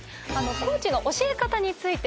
コーチの教え方について。